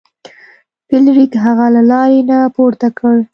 فلیریک هغه له لارې نه پورته کړ.